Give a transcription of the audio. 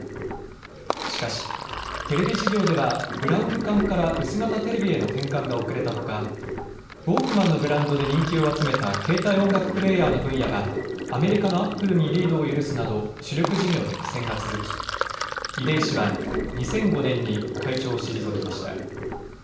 しかしテレビ事業ではブラウン管から薄型テレビへの転換が遅れたほか、ウォークマンのブランドで人気を集めた携帯音楽プレーヤーの分野はアメリカのアップルにリードを許すなど主力事業で苦戦が続き、出井氏は２００５年に会長を退きました。